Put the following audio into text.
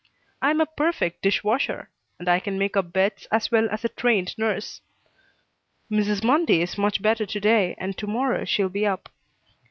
I am a perfect dish washer, and I can make up beds as well as a trained nurse. Mrs. Mundy is much better to day and to morrow she will be up.